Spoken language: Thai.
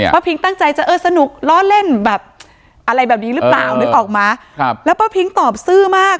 พิงตั้งใจจะเออสนุกล้อเล่นแบบอะไรแบบนี้หรือเปล่านึกออกมั้ยแล้วป้าพิงตอบซื่อมาก